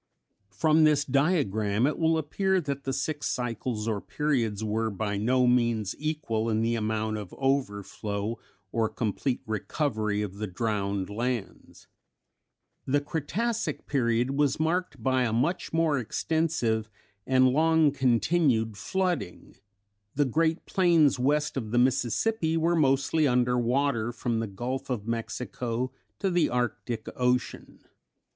From this diagram it will appear that the six cycles or periods were by no means equal in the amount of overflow or complete recovery of the drowned lands. The Cretacic period was marked by a much more extensive and long continued flooding; the great plains west of the Mississippi were mostly under water from the Gulf of Mexico to the Arctic Ocean.